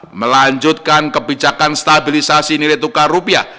dengan pemerintah dan otoritas terkait dengan kebijakan stabilisasi nilai tukar rupiah